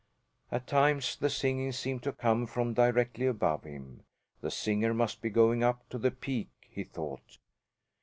At times the singing seemed to come from directly above him. The singer must be going up to the peak, he thought.